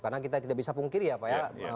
karena kita tidak bisa pungkiri ya pak ya